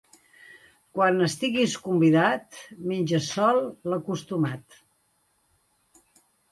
Quan estiguis convidat, menja sols l'acostumat.